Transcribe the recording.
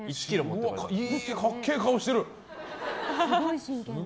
かっけえ顔してる。